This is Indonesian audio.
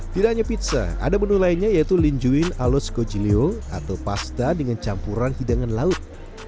tidak hanya pizza ada menu lainnya yaitu linjuin aloskojilio atau pasta dengan campuran hidangan laut